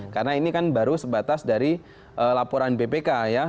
karena ini kan baru sebatas dari laporan bpk ya